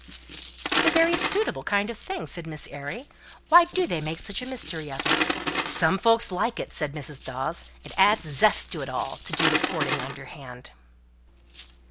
"It's a very suitable kind of thing," said Miss Airy; "why do they make such a mystery of it?" "Some folks like it," said Mrs. Dawes; "it adds zest to it all, to do their courting underhand."